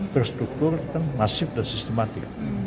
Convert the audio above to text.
terstruktur masif dan sistematik